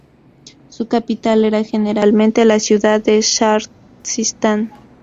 Su capital era generalmente la ciudad de Shahr-i Sistán.